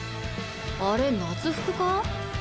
あれ夏服か？